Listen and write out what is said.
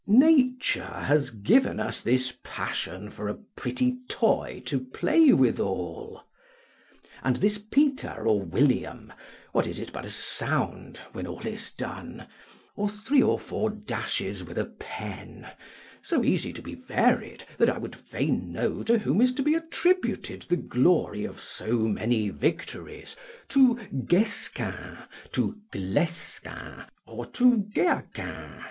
Nature has given us this passion for a pretty toy to play withal. And this Peter or William, what is it but a sound, when all is done? or three or four dashes with a pen, so easy to be varied that I would fain know to whom is to be attributed the glory of so many victories, to Guesquin, to Glesquin, or to Gueaquin?